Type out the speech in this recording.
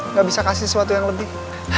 nggak bisa kasih sesuatu yang lebih